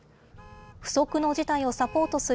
不測の事態をサポートする